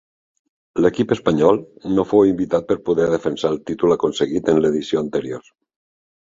L'equip espanyol no fou invitat per poder defensar el títol aconseguit en l'edició anterior.